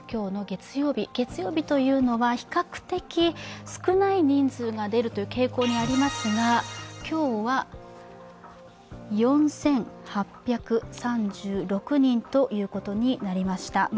月曜日というのは比較的少ない人数が出るという傾向がありますが今日は４８３６人ということになりました。